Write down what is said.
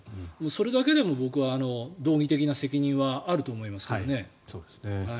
それだけでも僕は道義的な責任はあると思いますけどね。